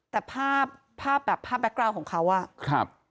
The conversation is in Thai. แต่ภาพแบ็คกราวล์ของเขา